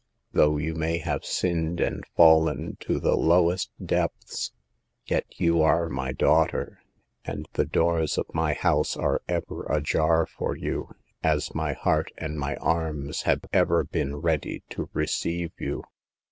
Though you may have sinned and fallen to the lowest depths, yet you are my daughter, and A LOST WOMAN SAVED. 119 the doors of my house are ever ajar for you, as my heart and my arms have ever been ready to receive you."